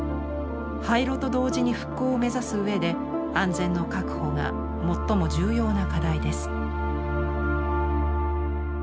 廃炉と同時に復興を目指す上で安全の確保が最も重要な課題です。